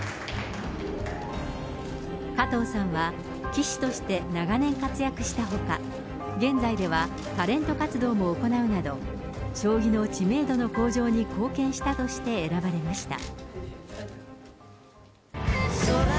加藤さんは棋士として長年活躍したほか、現在ではタレント活動も行うなど、将棋の知名度の向上に貢献したとして選ばれました。